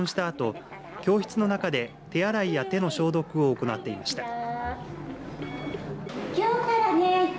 あと教室の中で手洗いや手の消毒を行っていました。